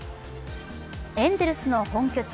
エンゼルスの本拠地